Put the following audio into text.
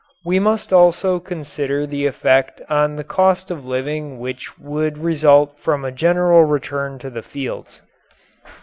We must also consider the effect on the cost of living which would result from a general return to the fields.